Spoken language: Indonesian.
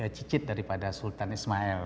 cicit daripada sultan ismail